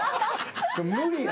無理や。